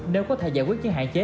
nếu có thể giải quyết những hạn chế